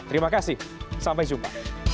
terima kasih sampai jumpa